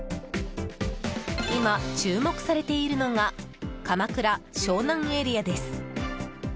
今、注目されているのが鎌倉・湘南エリアです。